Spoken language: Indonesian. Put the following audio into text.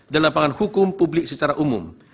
lapangan hukum publik secara umum